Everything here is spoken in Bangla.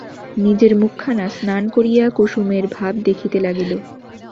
নিজের মুখখানা স্নান করিয়া কুসুমের ভাব দেখিতে লাগিল।